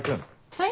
はい？